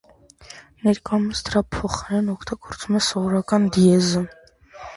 Ներկայումս դրա փոխարեն օգտագործվում է սովորական դիեզը։